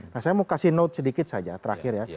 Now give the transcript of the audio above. nah saya mau kasih note sedikit saja terakhir ya